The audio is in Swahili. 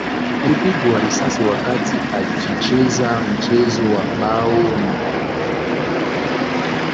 Alipigwa risasi wakati akicheza mchezo wa bao n